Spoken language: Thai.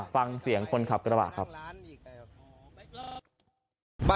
ฟังเสียงคนขับกระบะครับ